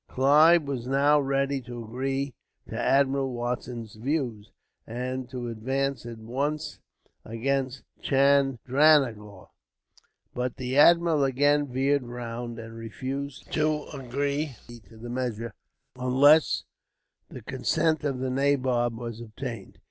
Clive was now ready to agree to Admiral Watson's views, and to advance at once against Chandranagore; but the admiral again veered round, and refused to agree to the measure, unless the consent of the nabob was obtained.